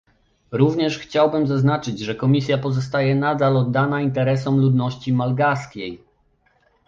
Również chciałbym zaznaczyć, że Komisja pozostaje nadal oddana interesom ludności malgaskiej